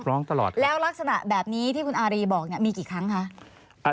ร้องตลอดแล้วลักษณะแบบนี้ที่คุณอารีบอกเนี่ยมีกี่ครั้งคะ